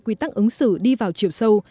quy tắc ứng xử đi vào chiều sâu